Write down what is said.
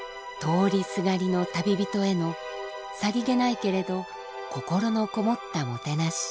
通りすがりの旅人へのさりげないけれど心のこもったもてなし。